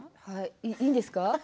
はい、いいんですか？